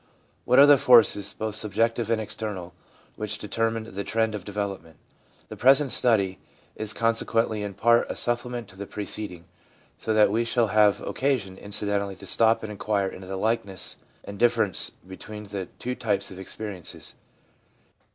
What are the forces, both subjective and external, which determine the trend of development? The present study is conse quently in part a supplement to the preceding, so that we shall have occasion incidentally to stop and inquire into the likeness and difference between the tw r o types of experiences.